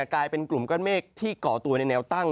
กลายเป็นกลุ่มก้อนเมฆที่ก่อตัวในแนวตั้ง